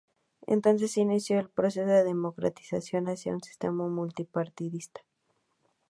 Entonces inició el proceso de democratización hacia un sistema multipartidista.